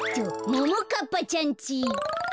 ももかっぱちゃんち。